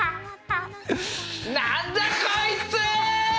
何だこいつ！